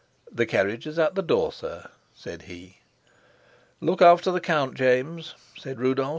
"The carriage is at the door, sir," said he. "Look after the count, James," said Rudolf.